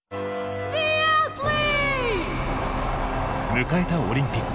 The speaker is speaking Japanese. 迎えたオリンピック。